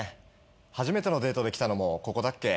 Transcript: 初めてのデートで来たのもここだっけ。